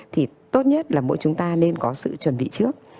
thì tốt nhất là mỗi chúng ta nên có sự chuẩn bị trước